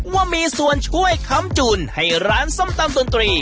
ว่ามีส่วนช่วยค้ำจุนให้ร้านส้มตำดนตรี